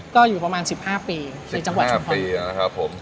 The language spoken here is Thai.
ก็อยู่ประมาณ๑๕ปีในจังหวัดชุมพร